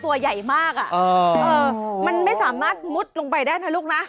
ตัวใหญ่มากมันไม่สามารถมุดลงไปได้นะลูกนะ